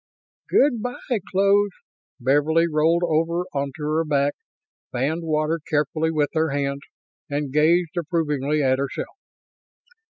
"Good by, clothes!" Beverly rolled over onto her back, fanned water carefully with her hands, and gazed approvingly at herself.